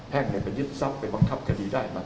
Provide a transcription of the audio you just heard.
แพ่งไหนไปยึดซับไปสิกล้องคัดีได้มา